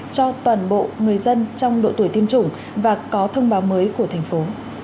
cho toàn bộ người dân trong độ tuổi tiêm chủng và có thông báo mới của thành phố